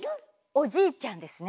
おじいちゃんですね。